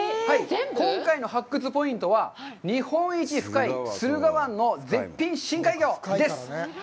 今回の発掘ポイントは、「日本一深い駿河湾の絶品深海魚」です。